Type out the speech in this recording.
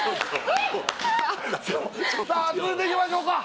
続いていきましょうか。